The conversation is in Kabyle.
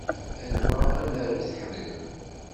Anwa amaru i tḥemmlem?